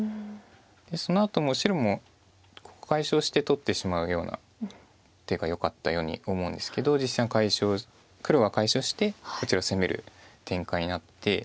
そのあとも白もここ解消して取ってしまうような手がよかったように思うんですけど実戦は解消黒が解消してこちらを攻める展開になって。